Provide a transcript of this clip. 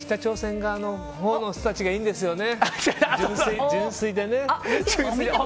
北朝鮮側の人たちがいいんですよね。